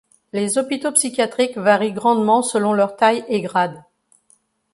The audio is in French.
Les hôpitaux psychiatriques varient grandement selon leur taille et grade.